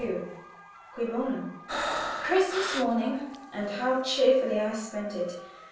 CUI BONO? Christmas morning. And how cheerfully I spent it!